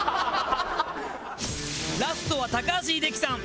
ラストは高橋英樹さん。